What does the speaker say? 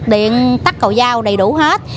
điện tắt cầu giao đầy đủ hết